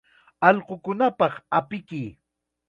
Allqukunapaq apikuy.